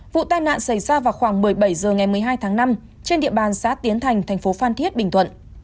vụ tai nạn xảy ra vào khoảng một mươi bảy h ngày một mươi hai tháng năm trên địa bàn xã tiến thành thành phố phan thiết bình thuận